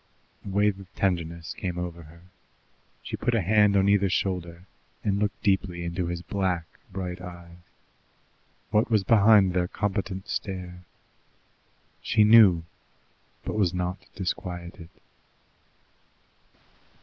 A wave of tenderness came over her. She put a hand on either shoulder, and looked deeply into the black, bright eyes. What was behind their competent stare? She knew, but was not disquieted.